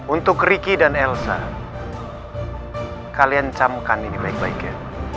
untuk ricky dan elsa kalian camkan ini baik baiknya